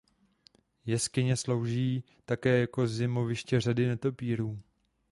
Jeskyně slouží také jako zimoviště řady netopýrů.